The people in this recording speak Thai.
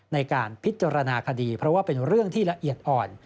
ในการพิจารณาคดีเพราะว่าเป็นเรื่องที่ละเอียดอ่อน